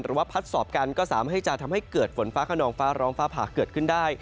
พัดสอบกันก็สามารถให้จะทำให้เกิดฝนฟ้าขนองฟ้าร้องฟ้าผ่าเกิดขึ้นได้